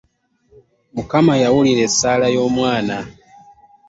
Mukama yawulira essaala yo mwana.